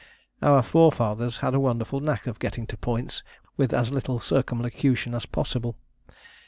Our forefathers had a wonderful knack of getting to points with as little circumlocution as possible.